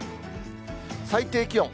最低気温。